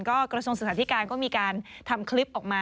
ก็กระทรวงสถานการณ์ก็มีการทำคลิปออกมา